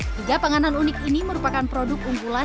tiga panganan unik ini merupakan produk unggulan